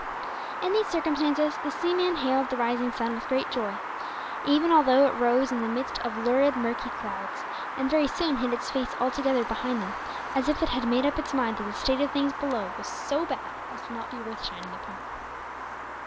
In these circumstances the seaman hailed the rising sun with great joy, even although it rose in the midst of lurid murky clouds, and very soon hid its face altogether behind them, as if it had made up its mind that the state of things below was so bad as to be not worth shining upon.